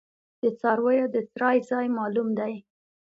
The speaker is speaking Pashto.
د څارویو د څرائ ځای معلوم دی؟